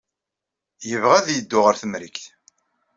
Yebɣa ad yeddu ɣer Temrikt.